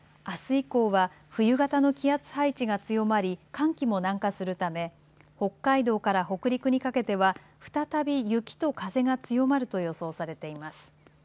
あす以降は冬型の気圧配置が強まり寒気も南下するため北海道から北陸にかけては再び雪と風が強まると予想されています。